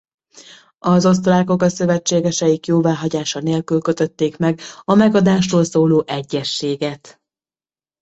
Az osztrákok a szövetségeseik jóváhagyása nélkül kötötték meg a megadásról szóló egyezséget.